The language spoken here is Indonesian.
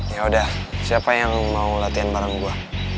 yaudah siapa yang mau latihan bareng gue